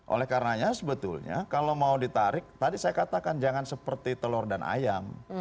oleh karenanya sebetulnya kalau mau ditarik tadi saya katakan jangan seperti telur dan ayam